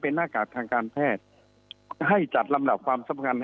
เป็นหน้ากากทางการแพทย์ให้จัดลำดับความสำคัญ